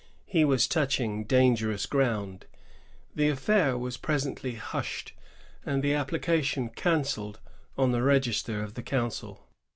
He was touching dangerous ground. The affair was presently hushed, and the application cancelled on the register of the council.